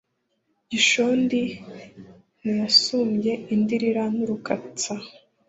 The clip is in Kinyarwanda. gishondi ntiyasumbye indirira n’urukatsa